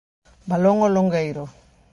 Balón ao longueiro.